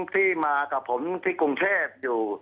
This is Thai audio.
ที่มากับผมที่กรุงเทพอยู่